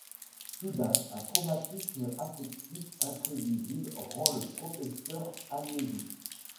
Soudain, un traumatisme affectif imprévisible rend le professeur amnésique.